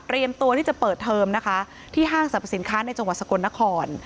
ตัวที่จะเปิดเทอมนะคะที่ห้างสรรพสินค้าในจังหวัดสกลนคร